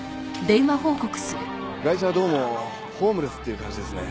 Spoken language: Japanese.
ガイシャはどうもホームレスっていう感じですね。